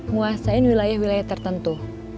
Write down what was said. nguasain wilayah wilayah tertentu